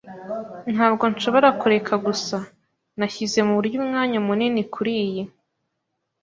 Ntabwo nshobora kureka gusa. Nashyize muburyo umwanya munini kuriyi.